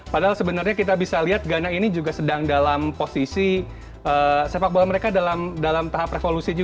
padahal sebenarnya kita bisa lihat ghana ini juga sedang dalam posisi sepak bola mereka dalam tahap revolusi